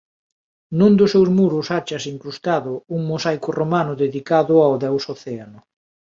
Nun dos seus muros áchase incrustado un mosaico romano dedicado ao deus Océano.